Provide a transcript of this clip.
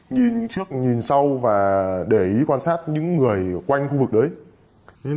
nhìn trước nhìn sau và để ý quan sát những người quanh khu vực đấy